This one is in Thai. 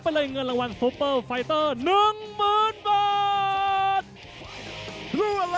กระโดยสิ้งเล็กนี่ออกกันขาสันเหมือนกันครับ